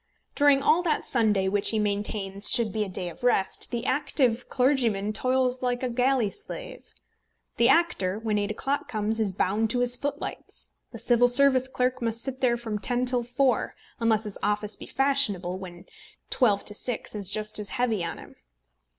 During all that Sunday which he maintains should be a day of rest, the active clergyman toils like a galley slave. The actor, when eight o'clock comes, is bound to his footlights. The Civil Service clerk must sit there from ten till four, unless his office be fashionable, when twelve to six is just as heavy on him.